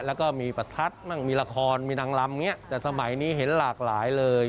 แล้วก็มีประทัดมั่งมีละครมีนางลำเนี่ยแต่สมัยนี้เห็นหลากหลายเลย